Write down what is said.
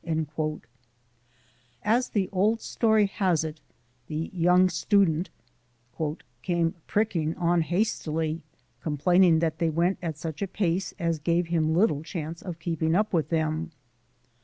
As the old story has it, the young student "came pricking on hastily, complaining that they went at such a pace as gave him little chance of keeping up with them.